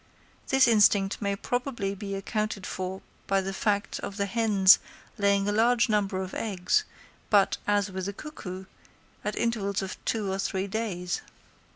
This instinct may probably be accounted for by the fact of the hens laying a large number of eggs, but, as with the cuckoo, at intervals of two or three days.